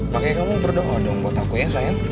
makanya kamu berdoa dong buat aku ya sayang